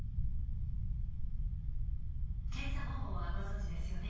検査方法はご存じですよね。